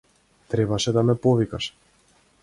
Требаше да ме повикаш.